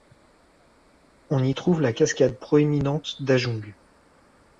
On y trouve la cascade proéminente d'Ajung.